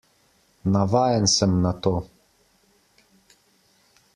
Navajen sem na to.